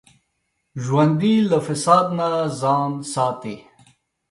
ژوندي له فساد نه ځان ساتي